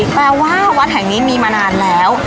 แปลว่าวัดแห่งนี้มีมานานแล้ว